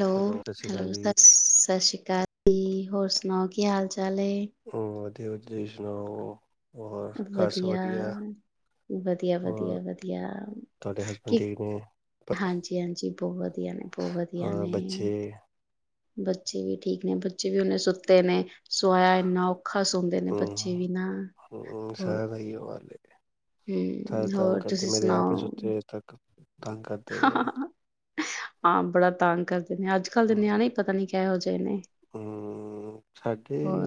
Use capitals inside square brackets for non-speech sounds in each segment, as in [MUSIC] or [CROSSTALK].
Hello ਸਤਿ ਸ਼੍ਰੀ ਅਕਾਲ ਹੈਲੋ ਜੀ ਸਤਿ ਸ਼੍ਰੀ ਅਕਾਲ। ਜ ਹੋਰ ਸੁਣਾਓ ਕੀ ਹਾਲ ਚ ਚਾਲੇ ਅੜਿਆ ਤੁਸੀਂ ਸੁਣਾਓ। ਹੋਰ ਘਰ ਸਭ ਵਧੀਆ ਵਧੀਆ ਹੋਰ ਵਧੀਆ ਵਧੀਆ ਤੁਹਾਡੇ ਹਸਬੈਂਡ ਕੀ ਠੀਕ ਨੇ ਬ- ਹਾਂਜੀ ਹਾਂਜੀ ਬਹੁਤ ਵਧੀਆ ਨੇ ਬਹੁਤ ਵਧੀਆ ਹਾਂ ਬੱਚੇ ਨੇ ਬੱਚੇ ਵੀ ਠੀਕ ਨੇ ਬੱਚੇ ਵੀ ਉਹਨੇ ਸੁੱਤੇ ਨੇ ਸੋ ਆ ਇਨਾ ਔਖਾ ਸੋਦੇ ਨੇ ਬੱਚੇ ਵੀ ਨਾ- ਐਵੇ ਵਾਲੇ ਹੂੰ ਹੋਰ ਤੁਸੀਂ ਨੇ ਸੁਣਾਓ ਸੁੱਤੇ ਹੋਏ ਤੱਕ ਤੰਗ ਕਰਦੇ ਪਏ ਆ। ਹਾਂ ਬੜਾ ਤੰਗ ਅੱਜ ਕੱਲ ਦੇ ਨਿਆਣੇ ਹੀ ਪਤਾ ਨੀ ਇਹੋ ਜੇ ਹੂੰ ਸਾਡੇ ਹੋਰ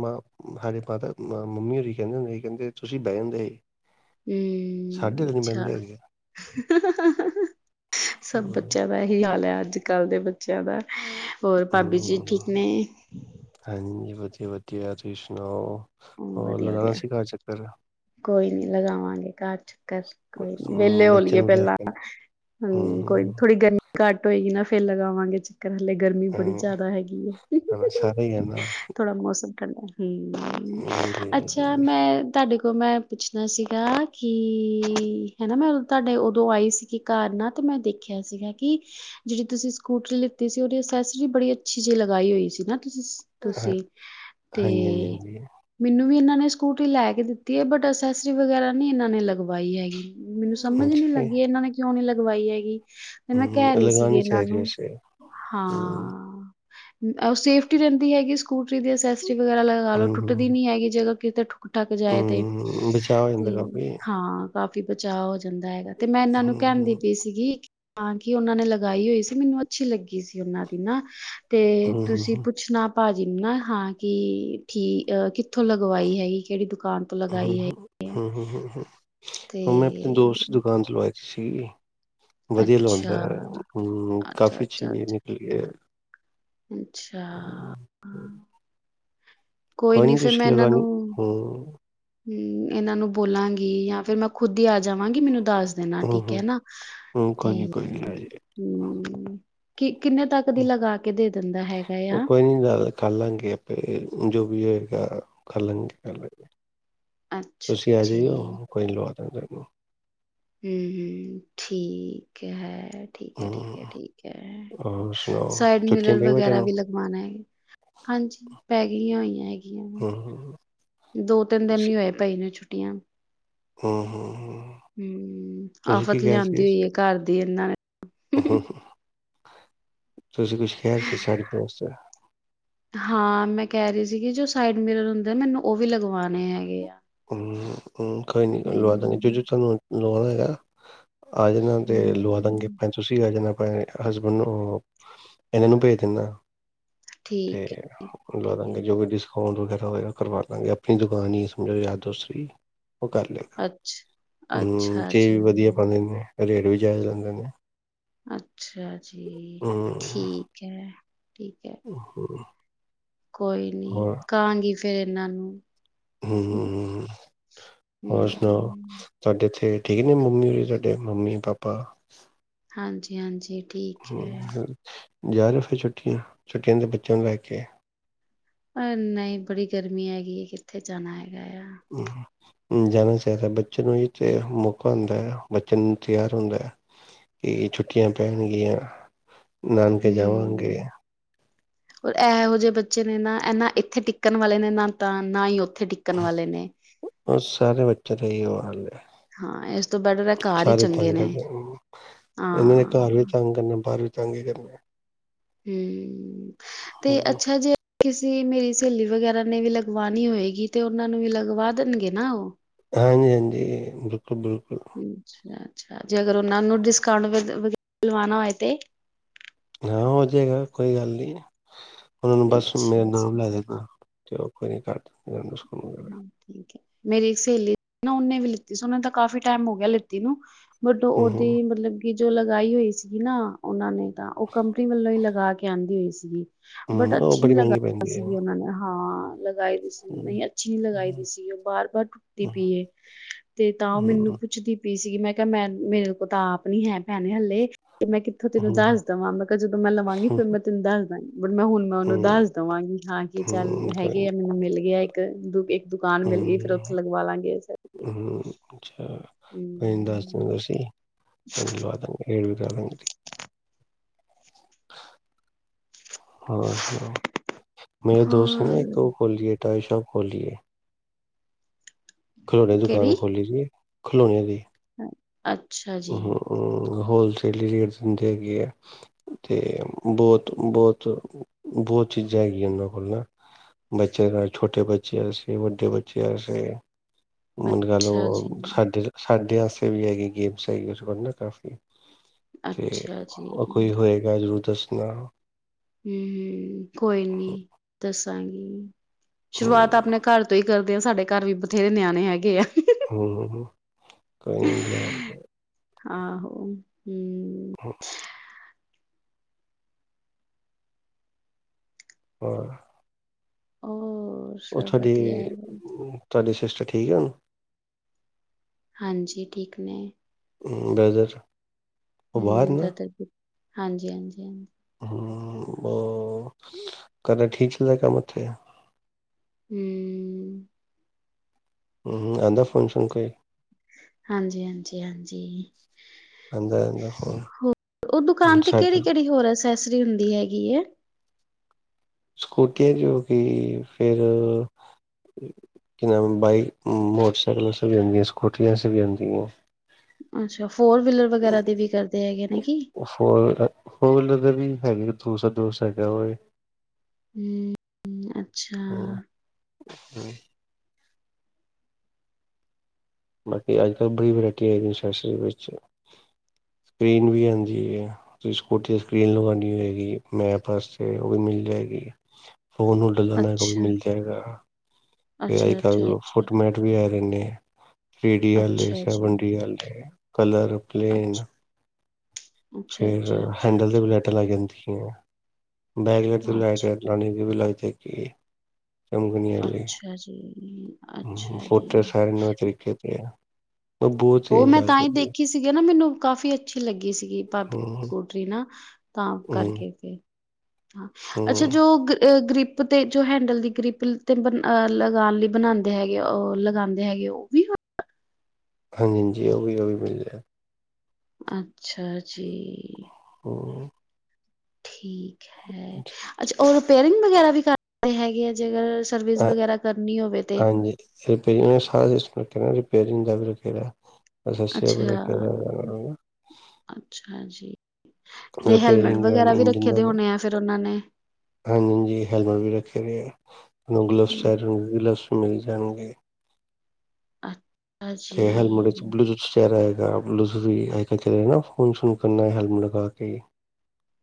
ਮਾ ਸਾਡੇ ਮਾਤਾ ਮੰਮੀ ਹੋਰ ਕਹਿੰਦੇ ਕਹਿੰਦੇ ਤੁਸੀਂ ਬਹਿ ਜਾਦੇ ਸੀ। ਸਾਡੇ ਹੂੰ ਤੇ ਨੀ ਅੱਛਾ ਬਹਿੰਦੇ ਹੈਗੇ ਸਭ ਹਮ ਬੱਚਿਆਂ ਦਾ ਇਹੀ ਹਾਲ ਹੈ। ਅੱਜ ਕੱਲ੍ਹ ਦੇ ਬਚਾਇਆ ਦਾ ਹੋਰ ਭਾਬੀ ਜੀ ਹਮ ਠੀਕ ਨੇ। ਹਾਂਜੀ ਵਧੀਆ ਤੁਸੀਂ ਸੁਣਾਓ ਹੂੰ ਹੋਰ ਵਧੀਆ ਲਗਾਣਾ ਵਧੀਆ ਸੀ ਘਰ ਚੱਕਰ ਕੋਈ ਨੀ ਲਗਾਵਾਂਗੇ ਘਰ ਚੱਕਰ ਕੋਈ ਨੀ ਵਿਹਲੇ ਹੂੰ ਬੱਚੇ ਹੋਲੀਏ ਨੂੰ ਲੈ ਪਹਿਲਾਂ ਕੇ ਹੂੰ ਕੋਈ ਥੋੜੀ ਗਰਮੀ ਘੱਟ ਹੋਏਗੀ ਨਾ ਫੇਰ ਲਗਾਵਾਂਗੇ ਚਕਰ ਹਾਲਲੇ ਗਰਮੀ ਬੜੀ ਹੂੰ ਜ਼ਿਆਦਾ ਹੈਗੀ ਹੈ ਸਾਰੇ ਹੀ ਹੈ ਨਾ ਥੋੜ੍ਹਾ ਮੌਸਮ ਹੂੰ ਜੀ ਅੱਛਾ ਜੀ ਮੈਂ ਤੁਹਾਡੇ ਕੋਲ ਮੈਂ ਪੁੱਛਣਾ ਸੀਗਾ ਕਿ ਹਨਾ ਮੈਂ ਤੁਹਾਡੇ ਉਦੋਂ ਆਈ ਸੀਗੀ ਘਰ ਨਾਲ ਤੇ ਮੈਂ ਦੇਖਿਆ ਸੀਗਾ ਕਿ ਜਿਹੜੀ ਤੁਸੀਂ ਸਕੂਟਰੀ ਲਿੱਤੀ ਸੀ ਉਹਦੀ ਅਸੈਸਰੀ ਬੜੀ ਅੱਛੀ ਜਿਹੀ ਲਗਾਈ ਹੋਈ ਸੀ ਨਾ ਹਾਂਜੀ ਤੁਸੀਂ ਤੇ ਹਾਂਜੀ ਹਾਂਜੀ ਵੀ ਇਹਨਾਂ ਨੇ ਸਕੂਟੀ ਲੈ ਕੇ ਦਿੱਤੀ ਹੈ ਬਟ ਅਸੈਸਰੀ ਵਗੈਰਾ ਨੀ ਇਹਨਾਂ ਨੇ ਲਗਵਾਈ ਹੈਗੀ। ਮੈਨੂੰ ਸਮਝ ਨੀ ਜੀ ਲੱਗੀ ਇਹਨਾਂ ਨੇ ਕਿਉਂ ਨੀ ਲਗਵਾਈ ਲਗਵਾਈ ਹੈਗੀ ਤੇ ਮੈਂ ਹੂੰ ਕਹਿ ਰਹੀ ਸੀ ਲਗਾਣੀ ਇਹਨਾਂ ਚਾਹੀਦੀ ਨੂੰ। ਵੈਸੇ ਹੂੰ ਹਾਂ ਸੇਫਟੀ ਰਹਿੰਦੀ ਹੈਗੀ ਸਕੂਟਰੀ ਦੀ ਅਸੈਸਰੀ ਵਗੈਰਾ ਲਗਾ ਲੋ ਹੂੰ ਹੂੰ ਜਗ੍ਹਾ ਕਿਤੇ ਠੁੱਕ ਜਾਏ ਤੇ ਹੂੰ ਬਚਾਅ ਹੋ ਜਾਂਦਾ ਤੇ ਕਾਫੀ ਹਾਂ ਕਾਫੀ ਬਚਾਅ ਹੋ ਜਾਂਦਾ ਹੈਗਾ। ਤੇ ਮੈਂ ਇਹਨਾਂ ਨੂੰ ਹੂੰ ਕਹਿਣ ਦੀ ਹੂੰ ਪਈ ਸੀਗੀ ਹਾਂ ਕਿ ਉਹਨਾਂ ਨੇ ਲਗਾਈ ਹੋਈ ਸੀ ਮੈਨੂੰ ਅੱਛੀ ਲੱਗੀ ਸੀ ਉਹਨਾਂ ਦੀ ਨਾ ਤੇ ਹੂੰ ਹੂੰ ਤੁਸੀਂ ਪੁੱਛਣਾ ਜਿਨਾ ਹਾਂ ਕਿ ਠੀਕ ਅ ਕਿ ਕਿੱਥੋਂ ਲਗਵਾਈ ਹੈਗੀ ਕਿਹੜੀ ਦੁਕਾਨ ਤੋਂ ਲਗਾਈ ਹੈਗੀ ਹ ਮੈਂ ਆਪਣੇ ਦੋਸਤ ਦੀ ਦੁਕਾਨ ਤੋਂ ਲਗਵਾਈ ਛੀ ਵਧੀਆ ਅੱਛਾ, ਲਗਾਉਂਦਾ ਹਮ ਅੱਛਾ, ਕਾਫ਼ੀ ਅੱਛੀ ਅੱਛਾ, ਅੱਛਾ, ਨਿਕਲੀ ਹੈ ਅੱਛਾ ਕੋ ਨੀ ਸੀਸ਼ ਲਗਨੀ ਹਮ ਹਮ ਇਹਨਾਂ ਨੂੰ ਬੋਲਾਂਗੀ ਜਾਂ ਫਿਰ ਮੈਂ ਖੁੱਦ ਆ ਜਾਵਾਂਗੀ ਮੈਨੂੰ ਦੱਸ ਦੇਣਾ ਹੂੰ ਠੀਕ ਹੂੰ ਹੈ ਨਾ ਹੂੰ ਤੇ ਕੋਈ ਨੀ ਕੋਈ ਨੀ ਹਮ ਕੀ ਉਹ ਆ ਕੋਈ ਨੀ ਗਲ ਕਰ ਲਾਂਗੇ ਆਪੇ ਜੋ ਵੀ ਹੈ ਕਰ ਲਾਂਗੇ ਕਰ ਲਗੇ ਤੁਸੀਂ ਅੱਛਾ ਆ ਜੀ ਜਾਈ ਹੋ ਕੋਈ ਲਵਾ ਦਾਗੇ ਅ ਹਮ ਹਮ ਠੀਕ ਹੈ ਠੀਕ ਹੈ ਠੀਕ ਹੂੰ ਹੈ ਠੀਕ ਹੈ ਹੋਰ ਸੁਣਾਓ ਸਾਈਡ ਛੁੱਟੀਆਂ ਮਿਲਰ ਪਈਆਂ ਬੱਚਿਆਂ ਵਗੈਰਾ ਨੂੰ ਵੀ ਲਗਵਾਣਾ ਹੈਗਾ ਹਾਂਜੀ ਪੈ ਗਈਆਂ ਹੋਈਆਂ ਹੈਗੀਆਂ ਹੂੰ ਦੋ ਤਿੰਨ ਦਿਨ ਨ ਹੋਏ ਭਾਈ ਛੁੱਟੀਆਂ ਹੂੰ ਹੂੰ ਹਮ ਤੁਸੀਂ ਕੀ ਆਫ਼ਤ ਕਹਿ ਲਿਆਂਦੀ ਰਹੇ ਹੋਈ ਸੀ ਹੈ ਘਰ ਦੀ ਇਹਨਾਂ ਨੇ ਹੂੰ, ਤੁਸੀਂ ਕੁਛ ਕਿਹਾ ਸੀ ਸਾਡਸ ਹਾਂ ਮੈਂ ਕਹਿ ਰਹੀ ਸੀਗੀ ਜੋ ਸਾਈਡ ਮਿਰ ਹੁੰਦੇ ਆ ਮੈਨੂੰ ਉਹ ਵੀ ਲਗਵਾਉਣੇ ਹੈਗੇ ਆ ਹਮ ਹ ਕੋਈ ਨੀ ਗ ਲਵਾ ਦਾ ਗੇ ਜ ਜ ਤੁਹਾਨੂੰ ਲਵਾ ਦੇ ਗ ਆ ਜਾਣਾ ਤੇ ਲ਼ੂਅ ਦਾਗੇ ਪੈਂ ਤੁਸੀਂ ਆ ਜਾਣਾ ਅਐ ਹਸਬੈਂਡ ਨੂੰ ਇਹਨਾਂ ਨੂੰ ਭੇਜ ਦਿੰਨਾ। ਤੇ ਲਾ ਦਾਂਗੇ ਜੋ ਵੀ ਡਿਸਕਾਊਂਟ ਹੋਰ ਹੋਏਗਾ ਕਰਵਾ ਦਾਂਗੇ ਆਪਣੀ ਦੁਕਾਨ ਹੀ ਮੇਰੇ ਯਾਰ ਦੋਸਤਰੀ ਉਹ ਕਰ ਲਏਗਾ ਚੇ ਵੀ ਵਧੀਆ ਪਾ ਦਿੰਦੇ। ਰੇਟ ਜਾਦਾ ਲਗਾਂਦੇ ਨੇ। ਅੱਛ ਅੱਛਾ ਜੀ ਹੂੰ, ਠੀਕ ਹੈ ਠੀਕ ਹੈ। ਹੋਰ ਕੋਈ ਨੀ ਕਹਾਂਗੀ। ਫਿਰ ਇਹਨਾਂ ਨੂੰ। ਹਮ ਹ ਹਮ ਹੋਰ ਸੁਣਾਓ ਹਮ ਤੁਹਾਡੇ ਇੱਥੇ ਠੀਕ ਨੇ ਮੰਮੀ ਸਾਡੇ ਮੰਮੀ ਪਾਪਾ। [UNINTELLIGIBLE] ਹਾਂਜੀ ਹਾਂਜੀ। ਠੀਕ ਹੈ। ਹੂੰ, ਜਾ ਰਹੇ ਫਿਰ ਛੁੱਟੀਆਂ ਛੁੱਟੀਆਂ ਦੇ ਬੱਚਿਆਂ ਨੂੰ ਲੈ ਕੇ। ਅ ਨਹੀਂ ਬੜੀ ਗਰਮੀ ਹੈਗੀ ਹੈ ਕਿੱਥੇ ਜਾਣਾ ਹੈਗਾ ਆ। ਹਮ ਜਾਣਾ ਚਾਹੀਦਾ ਬੱਚੇ ਨੂੰ ਵੀ ਤੇ ਮੌਕਾ ਹੁੰਦਾ ਹੈ ਬੱਚਿਆਂ ਨੂੰ ਤਿਆਰ ਹੁੰਦਾ ਹੈ ਕਿ ਛੁੱਟੀਆਂ ਪੈਣਗੀਆਂ। ਨਾਨਕੇ ਜਾਵਾਂਗੇ। ਹਮ ਇਹੋ ਜਿਹੇ ਬੱਚੇ ਨੇ ਨਾ ਇਹ ਨਾ ਇੱਥੇ ਟਿੱਕਣ ਵਾਲੇ ਨੇ ਨਾ ਤਾਂ ਨਾ ਹੀ ਓ ਥੇ ਟਿੱਕਣ ਵਾਲੇ ਨੇ। ਸਹੀ ਵਾਲ ਲੇ। ਹਾਂ ਇਸ ਤੋਂ ਬੈਟਰ ਹੈ [UNINTELLIGIBLE] ਘਰ ਹੀ ਸਾਰੇ ਚੰਗੇ ਤੰਗ ਨੇ ਕਰਦੇ ਇਹਨਾਂ ਨੇ ਘਰ ਹਾਂ ਵੀ ਤੰਗ ਕਰਨਾ ਬਾਹਰ ਵੀ ਚੰਗੀ ਕਰਨੀ। [UNINTELLIGIBLE] ਹਮ। ਤੇ ਅੱਛਾ ਜੇ ਕਿਸ ਮੇਰੀ ਸਹੇਲੀ ਵਗੈਰਾ ਨੇ ਵੀ ਲਗਵਾਣੀ ਹੋਏਗੀ ਤੇ ਉਹਨਾਂ ਨੂੰ ਵੀ ਲਗਵਾ ਦੇਣਗੇ ਨਾ ਉਹ। ਹਾਂਜੀ ਹਾਂਜੀ। ਬਿਲਕੁਲ-ਬਿਲਕੁਲ ਅੱਛਾ। ਅੱਛਾ [UNINTELLIGIBLE] ਜੇ ਅਗਰ ਉਹਨਾਂ ਨੂੰ ਡਿਸਕਾਊਂਟ ਵਾਣਾ ਹੋਏ ਤੇ। ਹਾਂ ਹੋ ਜਾਏਗਾ ਕੋਈ ਗੱਲ ਨੀ। ਉਹਨਾਂ ਨੂੰ ਬਸ ਮੇਰਾ ਅੱਛਾ, ਨਾਮ ਅੱਛਾ ਲੈ ਦੇਨਾ। ਤੇ ਉਹ ਕੋਨੀ ਕਟ ਜਾ [UNINTELLIGIBLE] ਠੀਕ ਹੈ ਮੇਰੀ ਸਹੇਲੀ ਨਾ ਉਹਨੇ ਵੀ ਲਿੱਤੀ ਸੀ ਉਨਾ ਤਾਂ ਕਾਫ਼ੀ ਟਾਈਮ ਹੋ ਗਿਆ ਲਿੱਤੀ ਨੂੰ। ਬਟ ਹੂੰ ਹੂੰ, ਉਹਦੀ ਮਤਲਬ ਕਿ ਜੋ ਲਗਾਈ ਹੋਈ ਸੀਗੀ ਨਾ ਉਹਨਾਂ ਨੇ। ਤਾਂ ਉਹ ਕੰਪਨੀ ਵੱਲੋਂ ਹੀ ਲਗਾ ਕੇ ਆਉਂਦੀ ਹੋਈ। ਜ [UNINTELLIGIBLE] ਬਟ ਹੂੰ ਉਹ ਅੱਛੀ ਬੜੀ ਲਗਾ ਮਹਿੰਗੀ ਪੈਂਦੀ ਹੈ। ਹੂੰ, ਸੀਗੀ ਉਹਨਾਂ ਨੇ ਹਾਂ ਲਗਾਏ ਦੀ ਸੀ ਹੂੰ, ਨਹੀਂ ਅ ਲਗਾਈ ਦੀ ਹੂੰ, ਸੀਗੀ ਉਹ ਬਾਰ ਬਾਰ ਟੁੱਟਦੀ ਪਈ ਤੇ ਤਾਂ ਉਹ ਮੈਨੂੰ ਹੂੰ, ਪੁੱਛਦੀ ਪਈ ਸੀਗੀ ਮੈਂ ਕਿਹਾ ਮੈਂ ਮੇਰੇ ਕੋਲ ਤਾ ਆਪ ਨਹੀ ਹੈ ਭੈਣੇ ਹਲੇ ਤੇ ਮੈਂ ਕਿੱਥੋਂ ਤੈਨੂੰ ਦੱਸ ਹੂੰ, ਦਵਾਂ ਮਤਲਬ ਕਿਹਾ ਜਦੋਂ ਮੈਂ ਲਵਾਂਗੀ ਫੇਰ ਮੈਂ ਤੈਨੂੰ ਦੱਸ ਦਾਵਾਂਗੀ ਮੈਂ ਹੁਣ ਮੈਂ ਉਹਨੂੰ ਹੂੰ, ਦੱਸ ਦੇਵਾਂਗੀ ਹਾਂ ਕੀ ਚੱਲ ਹੂੰ ਕੋਈ ਹੈਗੇ ਨੀ ਆ ਮੈਨੂੰ ਮਿਲ ਗਿਆ [UNINTELLIGIBLE] ਇੱਕ ਦੁਕਾਨ ਮਿਲ ਗਈ ਫੇਰ ਉੱਥੇ ਲਗਵਾ ਲਾਂਗੇ। [UNINTELLIGIBLE] ਹੂੰ-ਹੂੰ ਅੱਛਾ, ਨਹੀਂ ਦੱਸ ਹਮ, ਦੇਨਾ ਤੁਸੀਂ, ਲਵਾ ਦਾਂਗੇ। [UNINTELLIGIBLE] [UNINTELLIGIBLE] ਹੋਰ ਸੁਣਾਓ, ਮੇਰੇ ਦੋਸਤ ਨੇ ਇੱਕ ਹਾਂ ਉਹ ਖੋਲੀ ਏ ਟੋਏ ਸ਼ੋਪ ਖੋਲੀ ਏ। ਖਲੋਨੇ ਦੁਕਾਨ ਕਿਹੜੀ ਖੋਲੀ ਦੀ ਏ। ਖਿਲੋਨੇ ਦੀ। [UNINTELLIGIBLE] ਅੱਛਾ ਜੀ। ਹੂੰ ਹੂੰ ਹੋਲਸੇਲ ਹੀ ਰੇਟ ਦਿੰਦੇ ਹੈਗੇ ਐ ਤੇ ਬੋਤ, ਬੋਤ, ਬੋਤ ਚੀਜ਼ਾਂ ਹੈਗੀਆਂ ਉਹਨਾਂ ਕੋਲ ਨਾ, ਬੱਚਿਆਂ ਨਾਲ ਛੋਟੇ ਬੱਚੇ ਵਾਸਤੇ ਵੱਡੇ ਬੱਚੇ ਵਾਸਤੇ। ਲੱਗਾ ਲੋ ਅੱਛਾ ਜੀ ਸਾਡੇ, ਸਾ ਡਆਂ ਵਾਸਤੇ ਵੀ ਹੈਗੀ [UNINTELLIGIBLE] ਸਹੀ ਉਸ ਤੋ ਬਾਅਦ ਨਾ ਕਾਫ਼ੀ ਤੇ ਅੱਛਾ ਜੀ ਉਹ ਕੋਈ ਹੋਏਗਾ [UNINTELLIGIBLE] ਤੁਸ ਸੁਨਾਓ। ਹੂੰ-ਹੂੰ, ਕੋਈ ਨੀ ਦੱਸ ਦਸਾਂਗੀ। ਸ਼ੁਰੂਆਤ ਹੂੰ ਆਪਨੇ ਘਰ ਤੋਂ ਹੀ ਕਰ ਸਾਡੇ ਘਰ ਵੀ ਬਥੇਰੇ ਨਿਆਨੇ ਹੈਗੇ ਆ। ਹੂੰ ਕੋਈ ਨੀ ਆ ਲੈਨ [UNINTELLIGIBLE] ਆਹੋ ਹੂੰ [UNINTELLIGIBLE] ਹਾਂ। ਓ ਉਹ ਤੁਹਾਡੀ, ਤੁਹਾਡੀ ਸਿਸਟਰ ਠੀਕ ਐ ਹੁਨ? ਹਾਂਜੀ ਠੀਕ ਨੇ। ਹੂੰ, ਬ੍ਰਦਰ ਉਹ ਬਾਹਰ ਹੂੰ, ਨਾ ਬ੍ਰਦਰ ਹਾਂਜੀ-ਹਾਂਜੀ-ਹਾਂਜੀ। ਹੂੰ, ਉਹ ਕਰਦਾ ਠੀਕ ਚਲਦਾ ਕੰਮ ਉੱਥੇ? ਹੂੰ। ਹੂੰ ਹੂੰ, ਆਂਦਾ ਹੈ ਫੋਨ ਸ਼ੋਨ ਕੋਈ? ਹਾਂਜੀ-ਹਾਂਜੀ-ਹਾਂਜੀ, ਆਂਦਾ ਆਂਦਾ ਫੋਨ ਹੋਰ ਉਹ ਦੁਕਾਨ ਤੇ ਸਾਡੇ ਕਿਹੜੀ-ਕਿਹੜੀ ਹੋਰ ਐਸੈ ਸਰੀ ਹੁੰਦੀ ਹੈਗੀ ਐ। ਸਕੂਟੀਆਂ ਦੀ ਹੋ ਗਈ ਫਿਰ ਕੀ ਨਾਮ ਹੈ ਬਾਈਕ ਉਮ ਮੋਟਰਸਾਈਕਲ ਵਾਸਤੇ ਵੀ ਹੁੰਦੀ ਐ, ਸਕੂਟਰੀ ਵਾਸਤੇ ਵੀ ਹੁੰਦੀ ਐ। ਅੱਛਾ। ਫੋਰ ਵੀਲਰ ਵਗੈਰਾ ਦੇ ਵੀ ਕਰਦੇ ਹੈਗੇ ਨੇ ਕੀ? ਦਾ ਵੀ ਹੈਗੇ ਨੇ [UNINTELLIGIBLE] ਹੂੰ, ਅੱਛਾ। ਹੂੰ। ਬਾਕੀ ਅੱਜ ਕੱਲ ਬੜੀ ਵੈਰਾਇਟੀ ਹੈਗੀ, ਅਸੈਸਰੀ ਵਿੱਚ। ਸਕਰੀਨ ਵੀ ਆਂਦੀ ਐ, ਤੁਸੀਂ ਸਕੂਟੀ ਦੀ ਸਕਰੀਨ ਲਵਾਣੀ ਹੋਏਗੀ, ਮੇਰੇ ਪਾਸੇ ਉਹ ਵੀ ਮਿਲ ਜਾਏਗੀ। ਫੋਨ ਨੂੰ ਲਗਾਨਾ, ਉਹ ਵੀ ਅੱਛਾ ਮਿਲ ਜਾਏਗਾ। ਤੇ ਅੱਜ ਅੱਛਾ ਅੱਛਾ ਕੱਲ ਅੱਛਾ ਫੁੱਟਮੈਟ ਵੀ ਆ ਰਹੇ ਨੇ, ਥ੍ਰੀ ਡੀ ਆਲੇ, ਅੱਛਾ ਜੀ ਸੈਵਨ ਡੀ ਆਲੇ, ਕਲਰ ਪਲੇਨ। ਅੱਛਾ ਅੱਛਾ ਫੇਰ ਅੱਛਾ ਅੱਛਾ ਹੈਂਡਲ ਦੇ ਵੀ ਅੱਛਾ ਲਾਈਟਾਂ ਲੱਗ ਜਾਂਦੀਆਂ। ਬੈਕ ਲੈਟ ਤੇ ਅੱਛਾ ਲਾਈਟ ਅੱਛਾ ਲਟਕਾਨੀ, ਓਹ ਵੀ ਲੱਗ ਥੇ ਕਿ ਅੱਛਾ ਜੀ, ਅੱਛਾ ਜੀ। ਉਹ ਮੈਂ ਤਾਂ ਹੀ ਦੇਖੀ ਸੀਗੀ ਨਾ ਮੈਨੂੰ ਕਾਫੀ ਅੱਛੀ ਲੱਗ ਗੀ ਸੀਗੀ, ਭਾਬੀ ਦੀ ਸਕੂਟਰੀ ਨਾ, ਤਾਂ ਕਰਕੇ ਫੇਰ ਹਾਂ। ਅੱਛਾ ਜੋ ਗ੍ ਆ ਗਰੀ ਪ ਤੇ ਜੋ ਹੈਂਡਲ ਦੀ ਗ੍ਰਿਪ ਲ ਤੇ ਬਨ ਆਹ ਲਗਾਉਨ ਲਈ ਬਨਾਦੇ ਹੈਗੇ, ਉਹ ਲਗਾਉਂਦੇ ਹੈਗੇ, ਉਹ ਵੀ [UNINTELLIGIBLE] ਹਾਂਜੀ ਹਾਂਜੀ, ਉਹ ਵੀ ਉਹ ਵੀ ਮਿਲਜੇਗਾ। ਅੱਛਾ ਜੀ। ਹੂੰ। ਠੀਕ ਕ ਹੈ। ਅੱਛਾ ਉਹ ਰਿਪੇਅਰਿੰਗ ਵਗੈਰਾ ਵੀ [UNINTELLIGIBLE] ਹੈਗੇ ਹੈਂ ਜੇ ਅਗਰ ਆ ਹਾਂਜੀ, ਰਿਪੈਰਿੰਗ ਦਾ ਸਾਰਾ ਸਿਸਟਮ ਰੱਖਿਆ ਹੌਇਆ ਹੈ ਜੀ। ਪੇਯਰਿੰਗ ਦਾ ਵੀ ਰੱਖੀ ਦਾ ਹੈ। ਅੱਛਾ, ਅੱਛਾ ਜੀ। ਤੇ ਹੈਲਮੇਟ ਰਿਪੇਅਰਿੰਗ ਦਾ ਵਗੈਰਾ ਵੀ ਇੰਜਨ ਰੱਖੇ ਦਾ ਦੇ ਹੋਣੇ ਐ, ਫੇਰ ਉਹਨਾਂ ਨੇ? ਹਾਂਜੀ ਹਾਂਜੀ, ਹੈਗਾ ਵੀ ਰੱਖੇ ਨੇ, ਗਲਬਸ [UNINTELLIGIBLE] ਗਲਬਸ ਮਿਲ ਜਾਣਗੇ। ਅੱ ਤੇ ਹੈਲਮੇਟ ਵਿੱਚ ਬਲੂਟੂਥ ਚੈਰਾ ਹੈ ਆਪ ਦੂਸਰੀ ਅੱਜ ਕੱਲ ਚਲੇ ਰੇ ਨਾ, ਫੋਨ ਸ਼ੋਨ ਕਨਾ, ਹੈਲਮਟ ਲਗਾ ਕੇ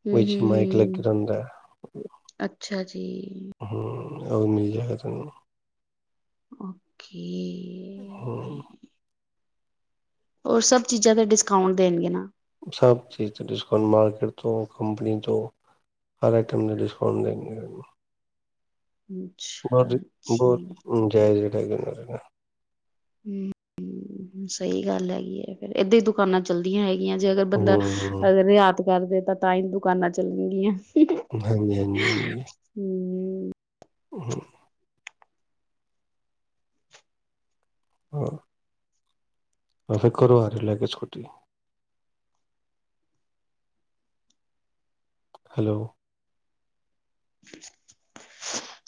ਹਮ ਵਿਚ ਹਮ ਮਾਇਕ ਹਮ ਲਗੇਦਾ ਹੁੰਦਾ ਐ। ਅੱਛਾ ਜੀ, ਹੂੰ। ਔ ਵੀ ਮਿਲਦੇ [UNINTELLIGIBLE] ਓਕੇ। ਹਮ ਔਰ ਸਭ ਚੀਜ਼ਾਂ ਤੇ ਡਿਸਕਾਊਂਟ ਦੇਣਗੇ ਨਾ। ਸਭ ਚੀਜ਼ ਤੇ ਡਿਸਕਾਊਂਟ ਮਾਰਕੀਟ ਤੋਂ ਕੰਪਨੀ ਤੋਂ ਹਰ ਆਈਟਮ ਦੇ ਡਿਸਕਾਊਂਂਟ ਦੇਣਗੇ ਔ। ਅੱਛਾ ਵੱਧ ਬੌਤ ਜੀ, ਜਾਏਜ ਐ। ਟਾਈਗਰ ਆਏਗਾ। ਹੂੰ, ਸਹੀ ਗੱਲ ਹੈਗੀ ਏ ਫੇਰ ਏਦਾਂ ਈ ਦੁਕਾਨਾਂ ਚੱਲਦੀਆਂ ਹੈਗੀ ਐ ਜੇ ਅਗਰ ਬੰਦਾ ਹਮ ਅਗਰ ਰਿਆਤ ਕਰਦੇ ਤਾਂ ਤਾਂ ਈ ਦੁਕਾਨਾਂ ਚੱਲਣਗੀਆਂ। ਹਾਂਜੀ-ਹਾਂਜੀ-ਹਾਂਜੀ। ਹੂੰ। ਹੂੰ। ਆ ਆ ਫੇਰ ਘਰੋ ਆਜੋ ਲੈਜੋ ਫੇਰ ਸਕੁਟੀ। ਹੈਲੋ,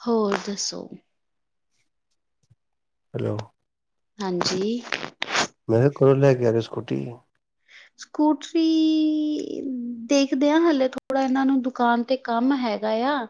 ਹੋਰ ਦੱਸੋ? ਹੈਲੋ, ਹਾਂਜੀ, ਮੈਂ ਕਿਹਿ ਘਰੋ ਲੈ ਕੇ ਆਜੋ ਸਕੂਟੀ। ਸਕੂਟਰੀ ਦੇਖਦੇ ਆ ਹਲੇੇ ਥੋੜਾ ਐਨਾਂ ਨੂੰ ਦੁਕਾਨ ਤੇ ਕੰਮ ਹੈਗਾ ਆ।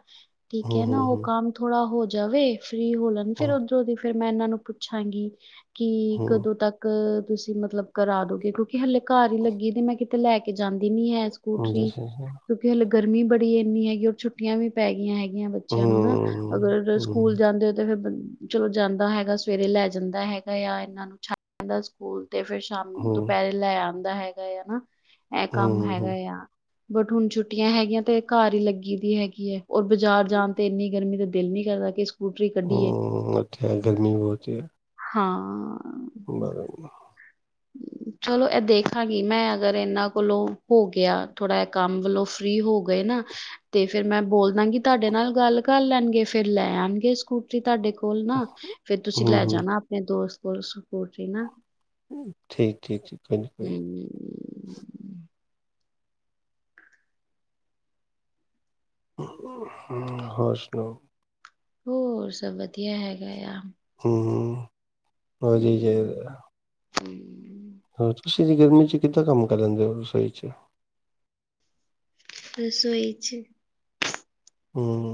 ਠੀਕ ਹਮ ਹੈ ਨਾ ਔ ਹਮ ਕੰਮ ਥੋੜਾ ਹੋ ਜਾਵੇ ਫ੍ਰੀ ਹੋ ਲੈਣ ਫੇਰ ਹਮ ਔਧਰੋਂ ਦੀ ਫੇਰ ਮੈਂ ਐਨਾਂ ਨੂੰ ਪੁੱਛਾਂਗੀ। ਕਿ ਹਮ ਹਮ ਕਦੋਂ ਤੱਕ ਤੁਸੀਂ ਮਤਲਬ ਕਰਾ ਦੋਗੇ, ਕਿਉਂਕਿ ਹਲੇ ਘਰ ਈ ਲੱਗੀ ਦੀ ਏ ਮੈਂ ਕਿਤੇ ਲੈ ਕੇ ਜਾਂਦ ਨੀ ਐ ਹਮ ਸਕੂਟਰੀ ਦੱਸੋ ਜੀ ਫੇਰ ਕਿਉਕਿ ਲਬ ਗਰਮੀ ਬੜੀ ਐਨੀ ਹੈਗੀ, ਔਰ ਛੁੱਟੀਆਂ ਵੀ ਪੈ ਗੀਆਂ ਹੈਗ ਗੀਆਂ, ਬੱਚਿਆਂ ਨੂੰ ਨਾ ਹਮ ਅਗਰ ਹਮ ਸਕੂਲ ਜਾਂਦੇ ਔ ਤੇ ਫੇਰ ਬੰਦ ਚਲੋ, ਜਾਂਦਾ ਹੈਗਾ ਸਵੇਰੇ ਲੈ ਜਾਂਦਾ ਹੈਗਾ ਆ ਏਨਾਂ ਨੂੰ ਛੱਡ ਆਂਦਾ ਸਕੂਲ। ਤੇ ਫੇਰ ਸ਼ਾਮ ਹਮ ਹਮ ਦੁਪਹਿਰੇ ਲੈ ਆ ਐਦਾ ਹੈ ਏ ਨਾ, ਇਹ ਕੰਮ ਹਮ ਹੈਗਾ ਆ। ਬਟ ਹੁਣ ਛੁੱਟੀਆਂ ਹੈਗੀਆਂ ਤੇ ਘਰ ਹੀ ਲੱਗੀ ਦੀ ਹੈਗੀ ਐ। ਔਰ ਬਾਜ਼ਾਰ ਜਾਣ ਤੇ ਇੰਨੀ ਗਰਮੀ ਤਾਂ ਦਿਲ ਨੀ ਕਰਦਾ ਕਿ ਸਕੂਟਰੀ ਕੱਢੀਏ ਹੂੰ, ਅੱਛਾ ਗਰਮੀ ਬਹੁਤ ਹੈ। ਹਾਂ ਬਰਾਬਰ [UNINTELLIGIBLE] ਚਲੋ ਇਹ ਦੇਖਾਂਗੀ ਮੈਂ ਅਗਰ ਇਹਨਾਂ ਕੋਲੋਂ ਹੋ ਗਿਆ ਥੋੜਾ ਜਿਹਾ ਕੰਮ ਵੱਲੋਂ ਫਰੀ ਹੋ ਗਏ ਨਾ ਤੇ ਫੇਰ ਮੈਂ ਬੋਲ ਦਾਂਗੀ ਤੁਹਾਡੇ ਨਾਲ ਗੱਲ ਕਰ ਲੈਣਗੇ ਫੇਰ ਲੈ ਆਣਗੇ ਸਕੂਟਰੀ ਤੁਹਾਡੇ ਕੋਲ ਖੋਲ ਨਾ ਫੇਰ ਤੁਸੀਂ ਲੈ ਹਮ ਜਾਣਾ ਆਪਣੇ ਦੋਸਤ ਬਸਪ ਰ ਨਾ [UNINTELLIGIBLE] ਠੀਕ ਠੀਕ ਠੀਕ ਕਜੀ ਕੋ ਹੂੰ [UNINTELLIGIBLE] ਹੋਰ ਸੁਨਾਓ ਹੋਰ ਸਭ ਵਧੀਆ ਹੈਗਾ ਆ ਹਮ ਮਦੀ ਚਦਾ [UNINTELLIGIBLE] ਹਮ ਤੁਸੀਂ ਇਨੀ ਗਰਮੀ ਚ ਕਿੱਦਾਂ ਕੰਮ ਕਰ ਲੈਂਦੇ ਹੋ ਰਸੋਈ ਚ ਰਸੋਈ ਵਿੱਚ ਹਮ